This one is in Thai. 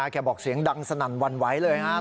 บอกเสียงดังสนั่นหวั่นไหวเลยครับ